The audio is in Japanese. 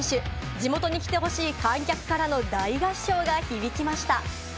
地元に来てほしい観客からの大合唱が響きました。